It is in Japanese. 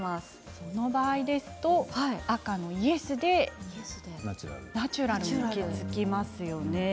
その場合、赤のイエスでナチュラルに行き着きますね。